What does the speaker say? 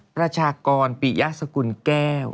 ประชากรปิยสกุลแก้ว